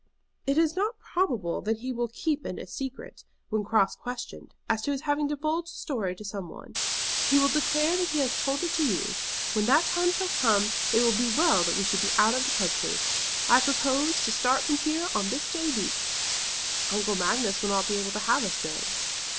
"It is not probable that he will keep it a secret, when cross questioned, as to his having divulged the story to some one. He will declare that he has told it to you. When that time shall come it will be well that we should be out of the country. I propose to start from here on this day week." "Uncle Magnus will not be able to have us then."